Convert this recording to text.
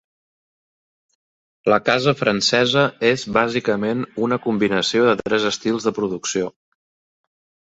La casa francesa és bàsicament una combinació de tres estils de producció.